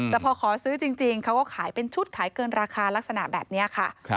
แต่พอขอซื้อจริงเขาก็ขายเป็นชุดขายเกินราคาลักษณะแบบนี้ค่ะ